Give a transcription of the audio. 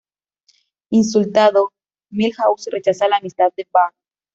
Insultado, Milhouse rechaza la amistad de Bart.